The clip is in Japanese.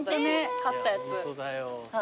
買ったやつ。